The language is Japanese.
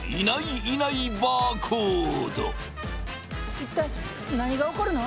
一体何が起こるの？